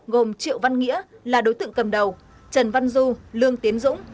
gồm triệu văn nghĩa là đối tượng cầm đầu trần văn du lương tiến dũng